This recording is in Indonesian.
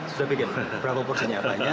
sudah bikin berapa porsinya